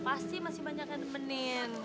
pasti masih banyak yang nemenin